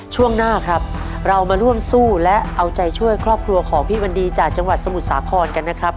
ช่วงหน้าครับเรามาร่วมสู้และเอาใจช่วยครอบครัวของพี่วันดีจากจังหวัดสมุทรสาครกันนะครับ